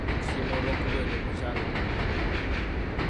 Tukusiima olw'okubeera omukyala omugumu.